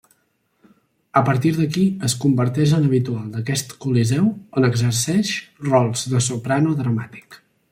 A partir d'aquí es converteix en habitual d'aquest coliseu, on exerceix rols de soprano dramàtic.